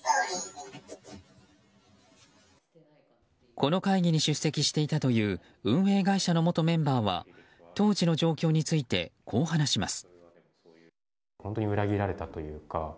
この会議に出席していたという運営会社の元メンバーは当時の状況についてこう話します。